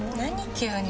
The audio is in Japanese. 急に。